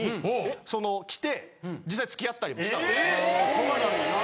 ・そないなんねんな。